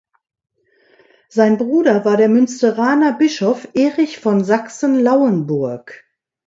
Sein Bruder war der Münsteraner Bischof Erich von Sachsen-Lauenburg.